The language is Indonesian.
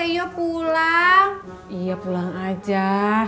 tentang siapa sih fatal kita mulai lagi easy binatang